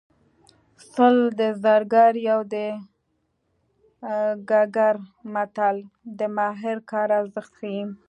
سل د زرګر یو د ګګر متل د ماهر کار ارزښت ښيي